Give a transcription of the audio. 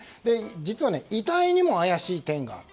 実は、遺体にも怪しい点がある。